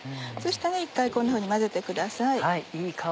そしたら一回こんなふうに混ぜてください。